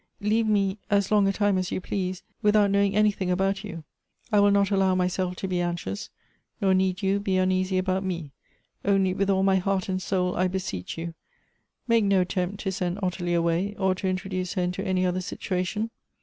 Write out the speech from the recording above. — Leave me, as long a time as you please, without knowing anything about you. I will not allow myself to be anx ious — nor need you be uneasy about me ; only, with all my heart and soul, I beseech you, make no attempt to send Ottilie away, or to introduce her into any other situ ation.